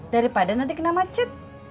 daripada nanti kena macet